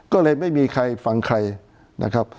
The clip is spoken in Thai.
ก็เลยไม่มีใครฟังใครนะครับ